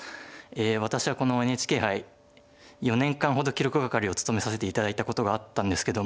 私はこのＮＨＫ杯４年間ほど記録係を務めさせて頂いたことがあったんですけども。